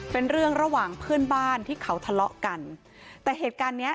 เป็นเรื่องระหว่างเพื่อนบ้านที่เขาทะเลาะกันแต่เหตุการณ์เนี้ย